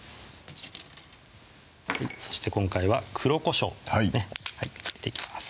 そして今回は黒こしょうですねはい振っていきます